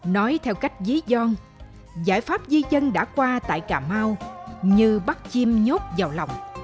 nói theo cách dí gion giải pháp di dân đã qua tại cà mau như bắt chim nhốt vào lòng